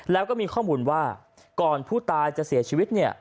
แล้วก็มีข้อมูลว่าก่อนผู้ตายจะเสียชีวิตเนี่ย